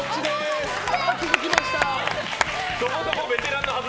気づきました！